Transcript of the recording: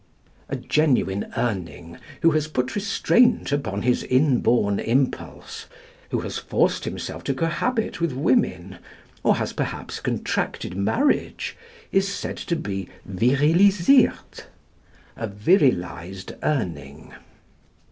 A genuine Urning, who has put restraint upon his inborn impulse, who has forced himself to cohabit with women, or has perhaps contracted marriage, is said to be Virilisirt a virilised Urning.